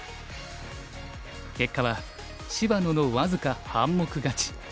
結果は芝野の僅か半目勝ち。